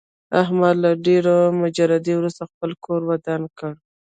احمد له ډېرې مجردۍ ورسته خپل کور ودان کړ.